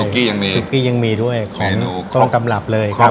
กี้ยังมีซุกกี้ยังมีด้วยของต้นตำรับเลยครับ